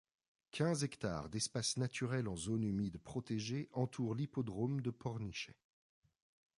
Quinze hectares d'espaces naturels en zone humide protégée entourent l’hippodrome de Pornichet.